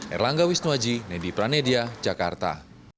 erlangga wisnuwaji nedy pranedia jakarta